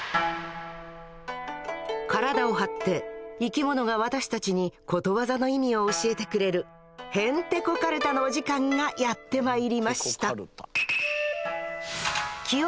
カラダを張って生きものが私たちにことわざの意味を教えてくれるへんてこカルタのお時間がやってまいりました